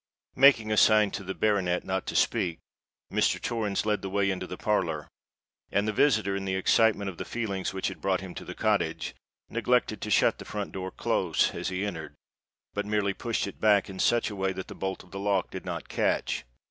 Making a sign to the baronet not to speak, Mr. Torrens led the way into the parlour; and the visitor, in the excitement of the feelings which had brought him to the cottage, neglected to shut the front door close as he entered, but merely pushed it back in such a way that the bolt of the lock did not catch.